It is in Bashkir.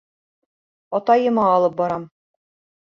Атайыма алып барам.